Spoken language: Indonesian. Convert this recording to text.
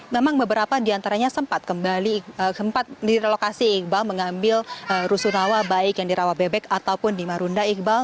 memang beberapa di antaranya sempat kembali sempat di relokasi iqbal mengambil rusunawa baik yang dirawa bebek ataupun di marunda iqbal